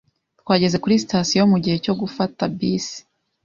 Twageze kuri sitasiyo mugihe cyo gufata bisi.